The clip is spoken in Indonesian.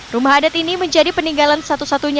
rumah adat ini menjadi peninggalan satu satunya